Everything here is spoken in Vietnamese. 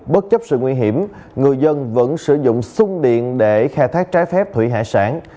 bất chấp sự nguy hiểm người dân vẫn sử dụng sung điện để khai thác trái phép thủy hải sản